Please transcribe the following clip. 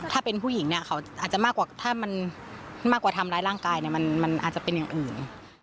ถ้าเป็นผู้หญิงเขาอาจจะมากกว่าทำร้ายร่างกายมันอาจจะเป็นอย่างอื่น